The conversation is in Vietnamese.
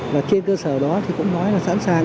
và trên cơ sở đó thì cũng nói là sẵn sàng